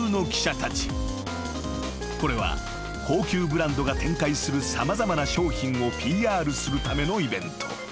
［これは高級ブランドが展開する様々な商品をＰＲするためのイベント］